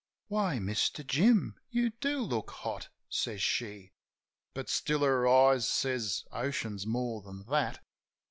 "Why, Mister Jim? You do look hot," says she. (But still her eyes says oceans more than that).